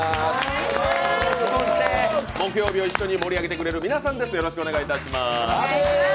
そして木曜日を一緒に盛り上げてくれる皆さんです。